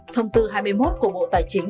thông tư hai mươi một của bộ tài chính